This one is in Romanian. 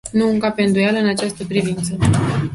Nu încape îndoială în această privință.